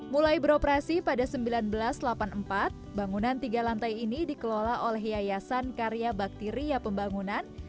mulai beroperasi pada seribu sembilan ratus delapan puluh empat bangunan tiga lantai ini dikelola oleh yayasan karya bakteria pembangunan